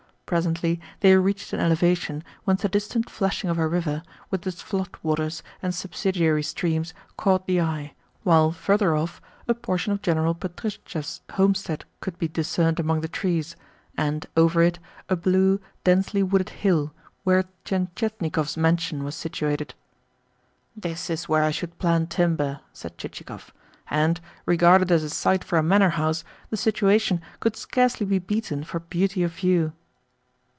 Presently they reached an elevation whence the distant flashing of a river, with its flood waters and subsidiary streams, caught the eye, while, further off, a portion of General Betristchev's homestead could be discerned among the trees, and, over it, a blue, densely wooded hill which Chichikov guessed to be the spot where Tientietnikov's mansion was situated. "This is where I should plant timber," said Chichikov. "And, regarded as a site for a manor house, the situation could scarcely be beaten for beauty of view."